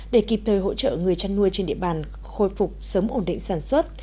để kịp thời hỗ trợ người chăn nuôi trên địa bàn khôi phục sớm ổn định sản xuất